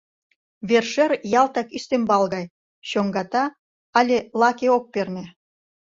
Вер-шӧр ялтак ӱстембал гай, чоҥгата але лаке ок перне.